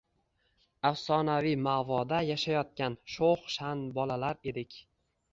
Afsonaviy maʼvoda yashayotgan shoʻx-shaʼn bolalar edik